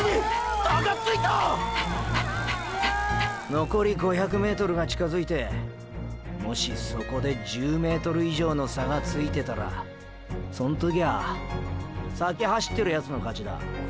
のこり５００ｍが近づいてもしそこで１０ｍ以上の差がついてたらそん時は先走ってるヤツの勝ちだ。